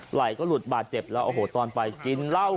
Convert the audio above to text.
ไหลหลุดบาดเจ็บแล้วโอโหตอนไปคิดเล้า